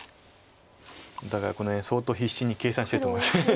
お互いこの辺相当必死に計算してると思います。